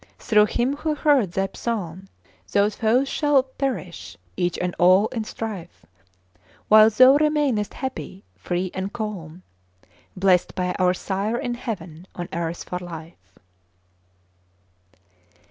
Through Him who heard thy psalm, Those foes shall perish, each and all, in strife, While thou remainest happy, free, and calm, Blessed by our Sire in heaven on earth for life!"